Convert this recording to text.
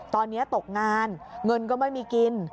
ตอนนี้ตกงานเงินก็ไม่มีกิน